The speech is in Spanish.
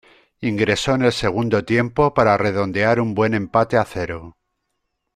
Ingresó en el segundo tiempo para redondear un buen empate a cero.